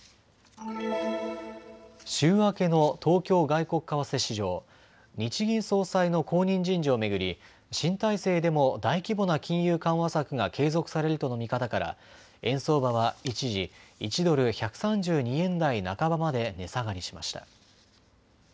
週明けの東京外国為替市場、日銀総裁の後任人事を巡り新体制でも大規模な金融緩和策が継続されるとの見方から円相場は一時１ドル１３２円台半ばまで値下がりしました。